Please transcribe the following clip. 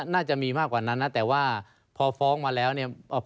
น่าจะมีมากกว่านั้นนะแต่ว่าพอฟ้องมาแล้วเนี่ย